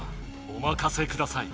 おまかせください。